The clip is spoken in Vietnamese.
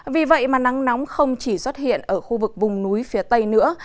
vì vậy mà nắng nóng không chỉ xuất hiện ở khu vực vùng núi phía tây nữa